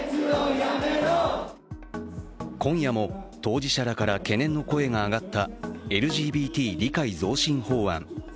今夜も当事者らから懸念の声が上がったＬＧＢＴ理解増進法案。